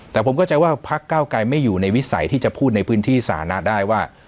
แต่ผมเข้าใจว่าพักเก้าไกรไม่อยู่ในวิสัยที่จะพูดในพื้นที่สาธารณะได้ว่า